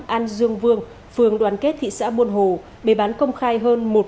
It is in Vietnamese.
bốn mươi năm an dương vương phường đoàn kết thị xã buôn hồ bề bán công khai hơn